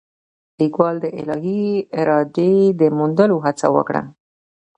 لیکوال د الهي ارادې د موندلو هڅه وکړه.